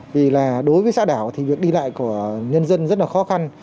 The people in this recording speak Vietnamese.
vì là đối với xã đảo thì việc đi lại của nhân dân rất là khó khăn